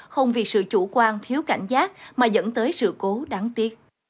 không vì sự chủ quan thiếu cảnh giác mà dẫn tới sự cố đáng tiếc